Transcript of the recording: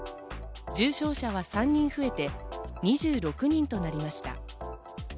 重症者は３人増えて２６人となりました。